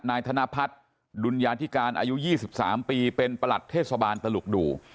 นายธนพัฒน์ดุญญาธิการอายุ๒๓ปีเป็นประหลัดเทศบาลตลุกดู